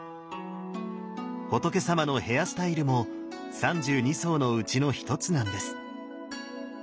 仏さまのヘアスタイルも三十二相のうちの一つなんです。